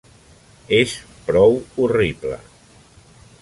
És prou horrible.